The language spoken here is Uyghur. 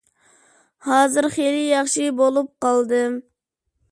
ھازىر خېلى ياخشى بولۇپ قالدىم.